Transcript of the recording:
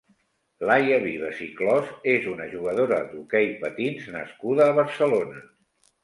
Laia Vives i Clos és una jugadora d'hoquei patins nascuda a Barcelona.